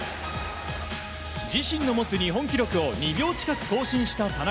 自身の持つ日本記録を２秒近く更新した田中。